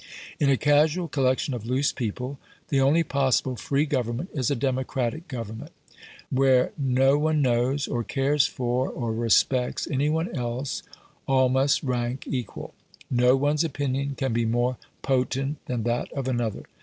In a casual collection of loose people the only possible free government is a democratic government. Where no one knows, or cares for, or respects any one else all must rank equal; no one's opinion can be more potent than that of another.